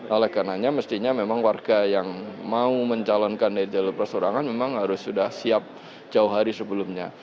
oleh karenanya mestinya memang warga yang mau mencalonkan dari jalur persorangan memang harus sudah siap jauh hari sebelumnya